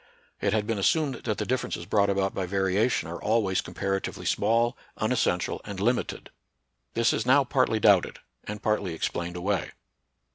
It had been assumed that the differences brought about by variation are al ways comparatively small, unessential, and lim ited. This is now partly doubted, and partly explained away.